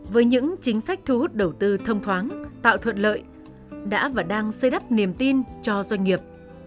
với những chính sách thu hút đầu tư thông thoáng tạo thuận lợi đã và đang xây đắp niềm tin cho doanh nghiệp